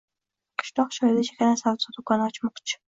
Qishloq joyda chakana savdo doʻkoni ochmoqchi